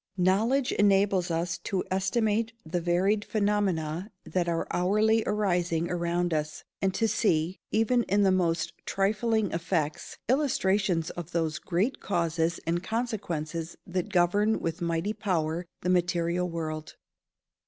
Knowledge enables us to estimate the varied phenomena that are hourly arising around us, and to see, even in the most trifling effects, illustrations of those great causes and consequences that govern with mighty power the material world.